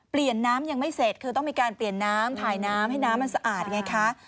น้ำยังไม่เสร็จคือต้องมีการเปลี่ยนน้ำถ่ายน้ำให้น้ำมันสะอาดไงคะ